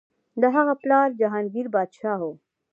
د هغه پلار جهانګیر پادشاه و.